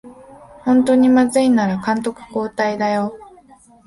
ほんとにまずいなら監督交代だよ